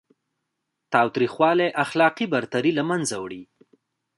تاوتریخوالی اخلاقي برتري له منځه وړي.